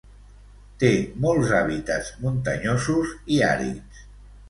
Té molts hàbitats muntanyosos i àrids.